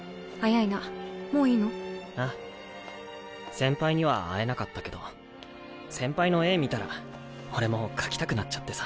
先輩には会えなかったけど先輩の絵見たら俺も描きたくなっちゃってさ。